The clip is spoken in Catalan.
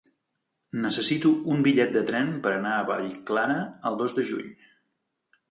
Necessito un bitllet de tren per anar a Vallclara el dos de juny.